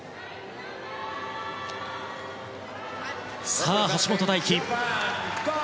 さあ、橋本大輝。